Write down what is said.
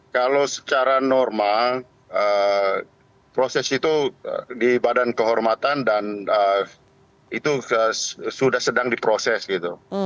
kalau secara normal proses itu di badan kehormatan dan itu sudah sedang diproses gitu